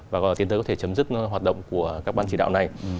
và có thể chấm dứt hoạt động của các ban chỉ đạo này